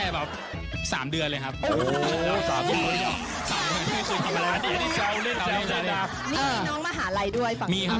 ร้านมีอย่าง